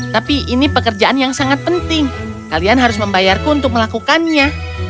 tapi ini pekerjaan yang sangat penting kalian harus membayarku untuk melakukannya